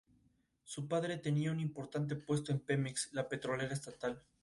Actualmente es vocalista de una banda musical llamada Bangla band.